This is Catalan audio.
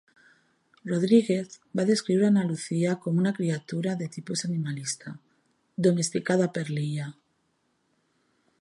Rodríguez va descriure Ana Lucía com a una criatura de tipus animalista... domesticada per l'illa.